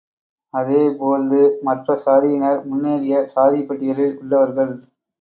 அதே போழ்து மற்ற சாதியினர் முன்னேறிய சாதிப்பட்டியலில் உள்ளவர்கள்!